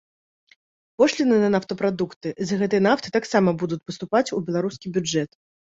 Пошліны на нафтапрадукты з гэтай нафты таксама будуць паступаць у беларускі бюджэт.